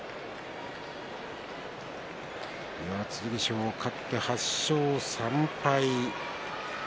剣翔は勝って８勝３敗。